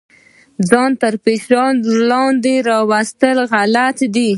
ځان تر ډیر فشار لاندې راوستل غلط دي.